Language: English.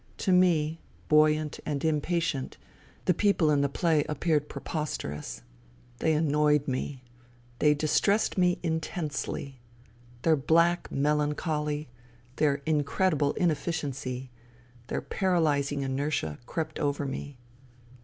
To me, buoyant and impatient, the people in the play appeared preposterous. They annoyed me. They distressed me intensely. Their black melancholy, their incredible inefficiency, their par alysing inertia, crept over me.